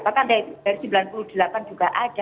bahkan dari sembilan puluh delapan juga ada